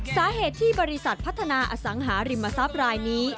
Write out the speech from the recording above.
สาเหตุที่บริษัทพัฒนาอสังหาริมทรัพย์รายนี้